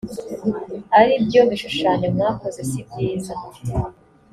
ari byo bishushanyo mwakoze sibyiza